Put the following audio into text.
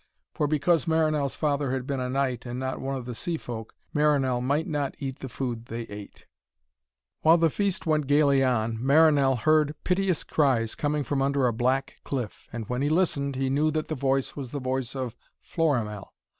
For because Marinell's father had been a knight and not one of the sea folk, Marinell might not eat the food they ate. While the feast went gaily on, Marinell heard piteous cries coming from under a black cliff. And when he listened, he knew that the voice was the voice of Florimell.